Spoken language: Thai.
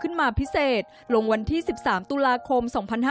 ขึ้นมาพิเศษลงวันที่๑๓ตุลาคม๒๕๕๙